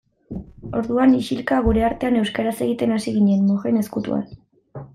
Orduan, isilka, gure artean euskaraz egiten hasi ginen, mojen ezkutuan.